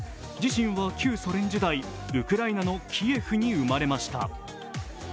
自身は旧ソ連時代、ウクライナのキエフに生まれました。